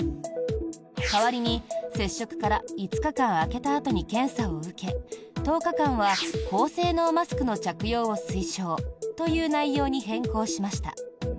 代わりに、接触から５日間空けたあとに検査を受け１０日間は高性能マスクの着用を推奨という内容に変更しました。